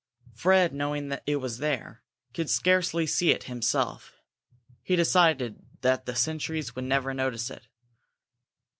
Fred, knowing it was there, could scarcely see it himself. He decided that the sentries would never notice it.